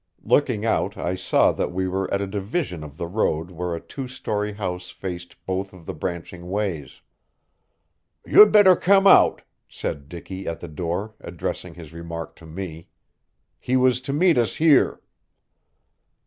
Looking out I saw that we were at a division of the road where a two story house faced both of the branching ways. "You'd better come out," said Dicky at the door, addressing his remark to me. "He was to meet us here."